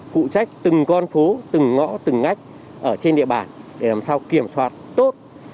phụ trách từng con phố từng ngõ từng ngách trên địa bàn để kiểm soát tốt